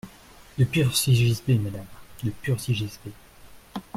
De purs sigisbées, madame, de purs sigisbées.